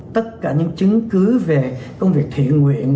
tất cả những chứng cứ về công việc thiện nguyện